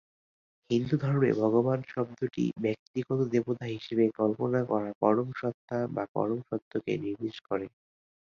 হিন্দুধর্মে, ভগবান শব্দটি ব্যক্তিগত দেবতা হিসেবে কল্পনা করা পরম সত্তা বা পরম সত্যকে নির্দেশ করে।